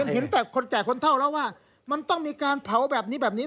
เห็นแต่คนแก่คนเท่าแล้วว่ามันต้องมีการเผาแบบนี้แบบนี้